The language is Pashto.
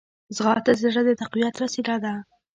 ځغاسته د زړه د تقویت وسیله ده